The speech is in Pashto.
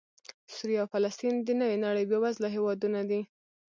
سوریه او فلسطین د نوې نړۍ بېوزله هېوادونه دي